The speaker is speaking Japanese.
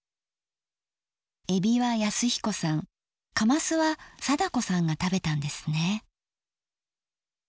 えびは恭彦さんかますは貞子さんが食べたんですね。